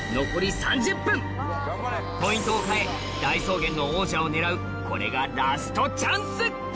ポイントを変え大草原の王者を狙うこれがラストチャンス！